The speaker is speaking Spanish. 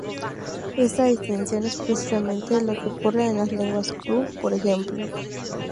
Esta distinción es precisamente lo que ocurre en las lenguas kru, por ejemplo.